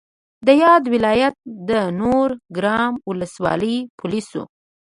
د یاد ولایت د نورګرام ولسوالۍ پولیسو